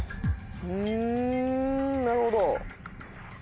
うんなるほど。